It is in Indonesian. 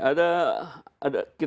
ada misalnya gini